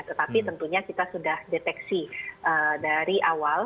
tetapi tentunya kita sudah deteksi dari awal